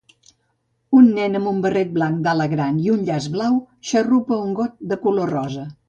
Un nen amb un barret blanc d'ala gran i un llaç blau xarrupa un got de color rosa